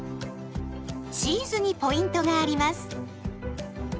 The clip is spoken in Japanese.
チーズにポイントがあります。